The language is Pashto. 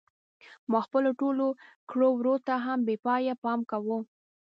ما خپلو ټولو کړو وړو ته هم بې پایه پام کاوه.